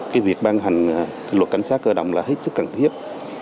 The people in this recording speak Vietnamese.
cái việc ban hành luật cảnh sát cơ động là hết sức cần thiết